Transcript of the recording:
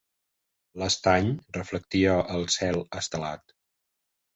L'estany reflectia el cel estelat.